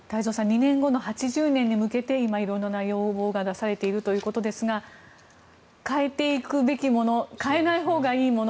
２年後の８０年に向けて今、色んな要望が出されているということですが変えていくべきもの変えないほうがいいもの